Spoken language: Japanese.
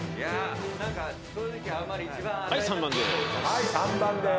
はい３番です。